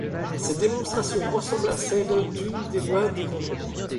Cette démonstration ressemble à celle d'une des lois des grands nombres.